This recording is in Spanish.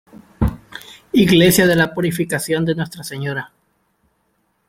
Iglesia de la Purificación de Nuestra Señora.